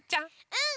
うん！